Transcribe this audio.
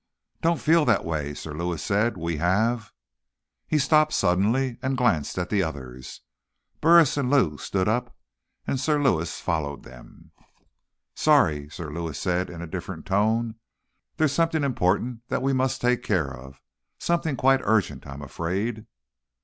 "Don't feel that way," Sir Lewis said. "We have—" He stopped suddenly, and glanced at the others. Burris and Lou stood up, and Sir Lewis followed them. "Sorry," Sir Lewis said in a different tone. "There's something important that we must take care of. Something quite urgent, I'm afraid."